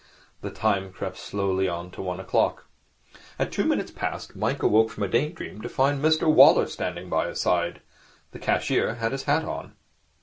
The time crept slowly on to one o'clock. At two minutes past Mike awoke from a day dream to find Mr Waller standing by his side. The cashier had his hat on.